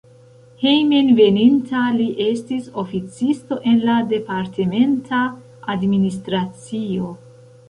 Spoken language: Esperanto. Hejmenveninta li estis oficisto en la departementa administracio.